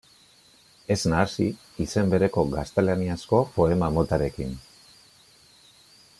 Ez nahasi izen bereko gaztelaniazko poema motarekin.